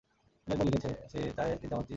নীলু একবার লিখেছে সে চায়ে তিন চামচ চিনি খায়।